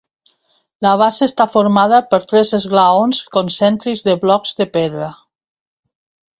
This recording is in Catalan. La base està formada per tres esglaons concèntrics de blocs de pedra.